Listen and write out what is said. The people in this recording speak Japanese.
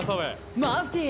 マフティー！